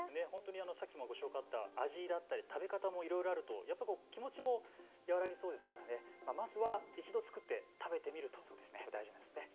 先ほどもご紹介があった味だったり食べ方もいろいろあると気持ちも和らぎそうですからまずは一度作って、食べてみるということが大事ですね。